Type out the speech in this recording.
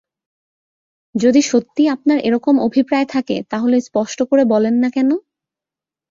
যদি সত্যিই আপনার এরকম অভিপ্রায় থাকে তা হলে স্পষ্ট করে বলেন না কেন?